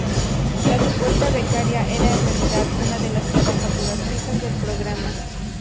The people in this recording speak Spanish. La supuesta becaria era en realidad una de las trabajadoras fijas del programa.